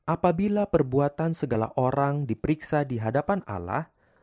apabila perbuatan segala orang diperiksa dihadapan allah